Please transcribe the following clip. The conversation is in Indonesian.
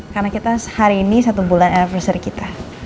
karena kita hari ini satu bulan anniversary kita